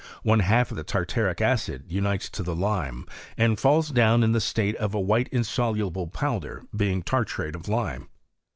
One half of the tartaric acid unites to the lime, and falls down in the state of a white insoluble powder, being tartrate of lime.